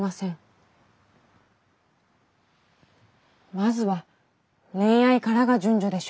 まずは恋愛からが順序でしょうか。